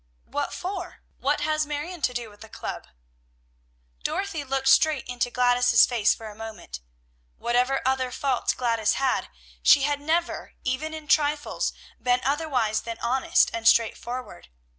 "What for? What has Marion to do with the club?" Dorothy looked straight into Gladys's face for a moment. Whatever other faults Gladys had, she had never, even in trifles, been otherwise than honest and straightforward.